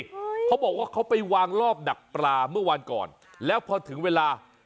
อืมเขาบอกว่าเขาไปวางรอบดักปลาเมื่อวานก่อนแล้วพอถึงเวลา